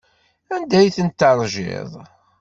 Anda ay tent-teṛjiḍ?